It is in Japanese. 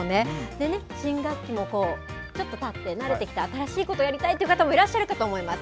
でね、新学期もちょっとたって、慣れてきた、新しいことやりたいって方もいらっしゃるかと思います。